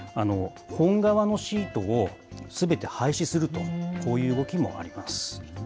本革のシートをすべて廃止すると、こういう動きもあります。